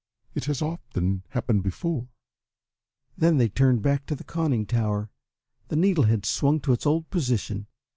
It has often happened before." Then they turned back to the conning tower. The needle had swung to its old position.